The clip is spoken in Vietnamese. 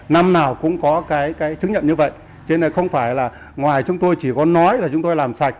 năm nào cũng có cái chứng nhận như vậy cho nên không phải là ngoài chúng tôi chỉ có nói là chúng tôi làm sạch